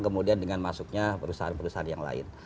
kemudian dengan masuknya perusahaan perusahaan yang lain